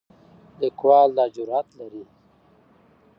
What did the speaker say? لیکوال دا جرئت لري.